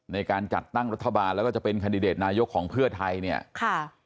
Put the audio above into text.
ในการจัดตั้งรัฐบาลแล้วก็จะเป็นคันดิเดตนายกของเพื่อไทยเนี่ยค่ะ